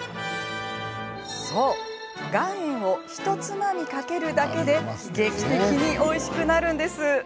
そう、岩塩をひとつまみかけるだけで劇的においしくなるんです。